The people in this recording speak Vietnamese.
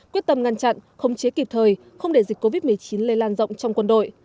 quyết tâm ngăn chặn khống chế kịp thời không để dịch covid một mươi chín lây lan rộng trong quân đội